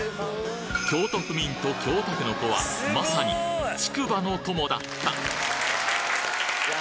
京都府民と京たけのこはまさに竹馬の友だったいや